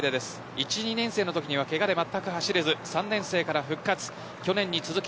１、２年生のときにはけがでまったく走れず３年生から復活去年に続く